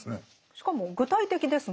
しかも具体的ですね。